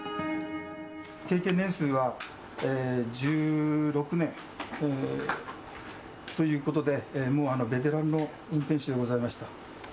経験年数は１６年ということで、もうベテランの運転手でございました。